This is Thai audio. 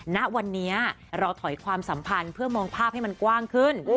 ณวันนี้เราถอยความสัมพันธ์เพื่อมองภาพให้มันกว้างขึ้น